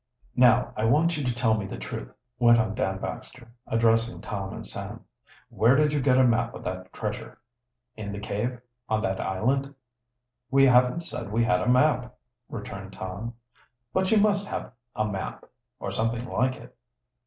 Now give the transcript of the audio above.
"Now I want you to tell me the truth," went on Dan Baxter, addressing Tom and Sam. "Where did you get a map of that treasure? In the cave on that island?" "We haven't said we had a map," returned Tom. "But you must have a map or something like it."